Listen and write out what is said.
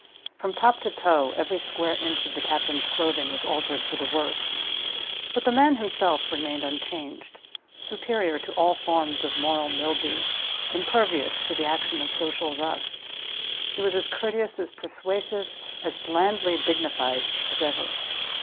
From top to toe every square inch of the captain's clothing was altered for the worse; but the man himself remained unchanged—superior to all forms of moral mildew, impervious to the action of social rust. He was as courteous, as persuasive, as blandly dignified as ever.